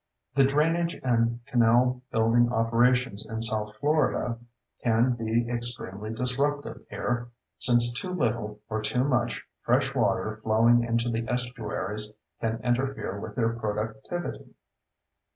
The drainage and canal building operations in south Florida can be extremely disruptive here, since too little, or too much, fresh water flowing into the estuaries can interfere with their productivity.